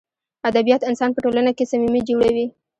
ادبیات انسان په ټولنه کښي صمیمي جوړوي.